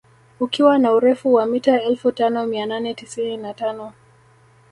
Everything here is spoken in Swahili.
Ukiwa na urefu wa mita Elfu tano mia nane tisini na tano